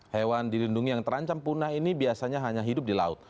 hewan dilindungi yang terancam punah ini biasanya hanya hidup di laut